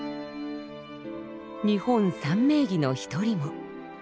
日本三名妓の一人も。